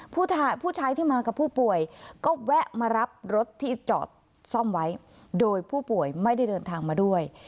ผู้ชายที่มากับผู้ป่วยก็แวะมารับรถที่จอดซ่อมไว้โดยผู้ป่วยไม่ได้เดินทางมาด้วย